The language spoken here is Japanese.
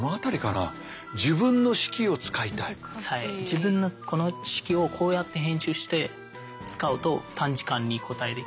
自分のこの式をこうやって編集して使うと短時間に答えできるっていう。